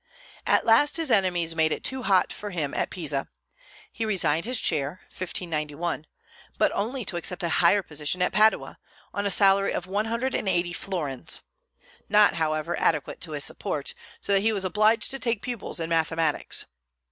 At last his enemies made it too hot for him at Pisa. He resigned his chair (1591), but only to accept a higher position at Padua, on a salary of one hundred and eighty florins, not, however, adequate to his support, so that he was obliged to take pupils in mathematics.